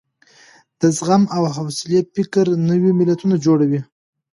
د زغم او حوصلې فکر نوي ملتونه جوړوي.